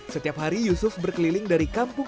setiap hari yusuf berkeliling dari kampung